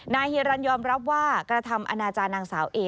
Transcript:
เฮียรันยอมรับว่ากระทำอนาจารย์นางสาวเอ